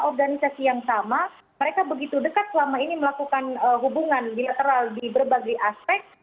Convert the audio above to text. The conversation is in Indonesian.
organisasi yang sama mereka begitu dekat selama ini melakukan hubungan bilateral di berbagai aspek